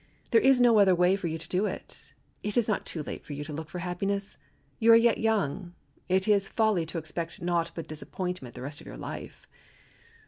There is no other way for you to do. It is not too late for you to look for happiness. You are yet young. It is folly to expect naught but disappointment the rest of your life.